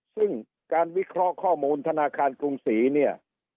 ซึ่งการวิเคราะห์ข้อมูลธนาคารกรุงศรีเนี่ย